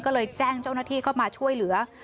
ก็เลยแจ้งเจ้าหน้าที่เข้ามาช่วยเหลือ